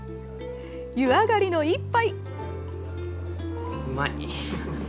湯上がりの１杯。